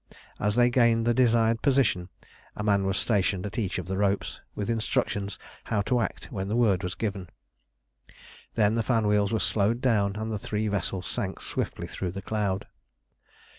As they gained the desired position, a man was stationed at each of the ropes, with instructions how to act when the word was given. Then the fan wheels were slowed down, and the three vessels sank swiftly through the cloud.